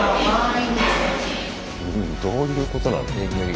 どういうことなのよ。